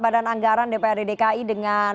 badan anggaran dprd dki dengan